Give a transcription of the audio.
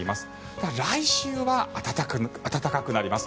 ただ、来週は暖かくなります。